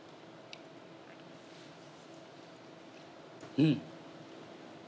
うん！